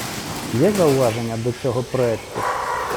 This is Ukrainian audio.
Є зауваження до цього проекту?